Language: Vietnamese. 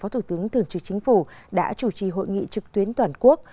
thường trực chính phủ đã chủ trì hội nghị trực tuyến toàn quốc